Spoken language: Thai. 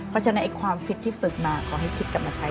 เพราะฉะนั้นความฟิตที่ฝึกมาขอให้คิดกลับมาใช้